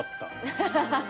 アハハハハ！